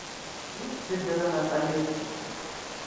Уи дыгранатомиотчикын.